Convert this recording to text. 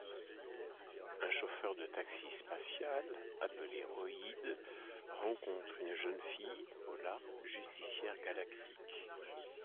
Un chauffeur de taxi spatial appelé Roïd rencontre une jeune fille, Pola, justicière galactique.